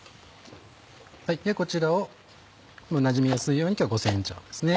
こちらをなじみやすいように今日は５ｃｍ幅ですね